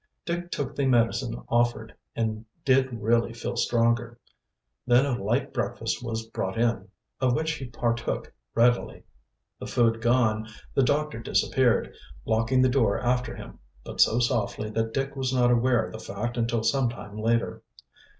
Dick took the medicine offered, and did really feel stronger. Then a light breakfast was brought in, of which he partook readily. The food gone, the doctor disappeared, locking the door after him, but so softly that Dick was not aware of the fact until some time later.